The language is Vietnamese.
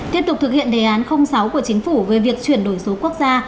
tiếp tục thực hiện đề án sáu của chính phủ về việc chuyển đổi số quốc gia